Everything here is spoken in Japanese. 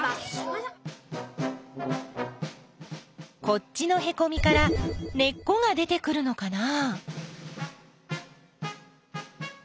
こっちのへこみから根っこが出てくるのかな？